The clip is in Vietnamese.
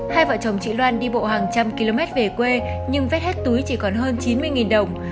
hai vợ chồng chị loan đi bộ hàng trăm km về quê nhưng vết hết túi chỉ còn hơn chín mươi đồng